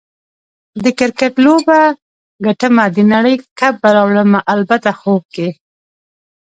د کرکټ لوبه ګټمه، د نړۍ کپ به راوړمه - البته خوب کې